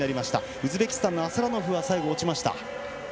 ウズベキスタンのアスラノフは最後、落ちました。